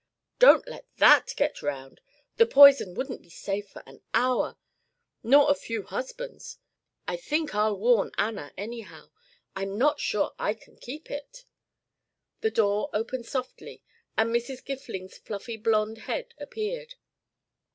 "Don't let that get round. The poison wouldn't be safe for an hour nor a few husbands. I think I'll warn Anna anyhow I'm not sure I can keep it." The door opened softly and Mrs. Gifning's fluffy blonde head appeared.